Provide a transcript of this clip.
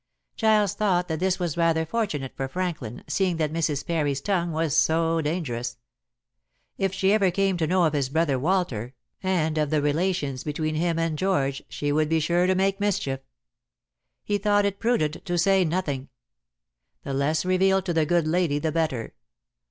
Giles thought that this was rather fortunate for Franklin, seeing that Mrs. Parry's tongue was so dangerous. If she ever came to know of his brother Walter, and of the relations between him and George, she would be sure to make mischief. He thought it prudent to say nothing. The less revealed to the good lady the better.